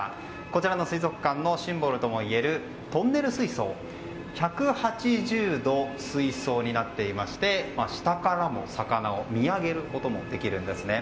こちらの水族館のシンボルともいえるトンネル水槽１８０度、水槽になっていまして下からも魚を見上げることもできるんですね。